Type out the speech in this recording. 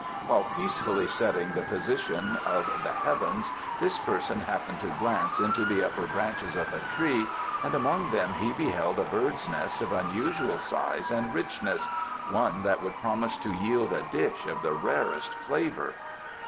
While peacefully studying the position of the heavens this person happened to glance into the upper branches of a tree and among them he beheld a bird's nest of unusual size and richness one that would promise to yield a dish of the rarest flavour.